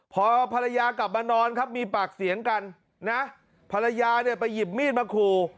พอภรรยากลับมานอนครับมีปากเสียงกันนะภรรยาเนี่ยไปหยิบมีดมาขู่